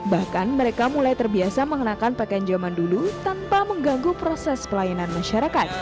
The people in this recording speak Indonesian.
bahkan mereka mulai terbiasa mengenakan pakaian zaman dulu tanpa mengganggu proses pelayanan masyarakat